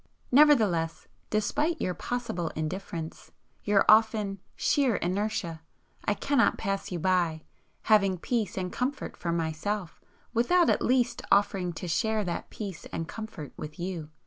Nevertheless, despite your possible indifference, your often sheer inertia I cannot pass you by, having peace and comfort for myself without at least offering to share that peace and comfort with you.